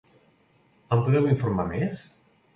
Em podeu informar més?